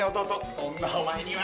そんなお前には。